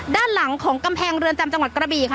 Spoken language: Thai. ด้านหลังของกำแพงเรือนจำจังหวัดกระบี่ค่ะ